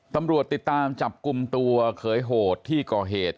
ตำรวจติดตามจับกลุ่มตัวเขยโหดที่ก่อเหตุ